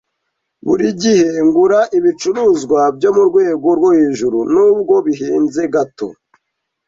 Buri gihe ngura ibicuruzwa byo mu rwego rwo hejuru nubwo bihenze gato